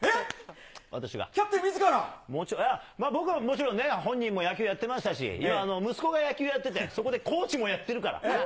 いや、僕はもちろんね、本人も野球やってましたし、息子が野球やってて、そこでコーチもやってるから。